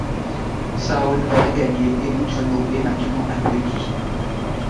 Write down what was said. Saosnes aurait gagné et Montrenault est maintenant un lieu-dit.